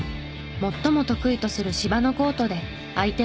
最も得意とする芝のコートで相手は格下。